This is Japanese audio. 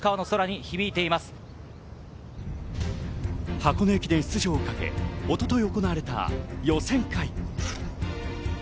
箱根駅伝出場をかけ、一昨日行われた予選会。